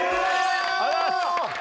ありがとうございます！